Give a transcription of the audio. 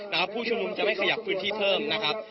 แล้วผู้ชุมนุมจะไม่ขยับพื้นที่เพิ่มนะครับ